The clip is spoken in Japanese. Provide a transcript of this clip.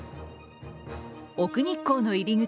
奥日光の入り口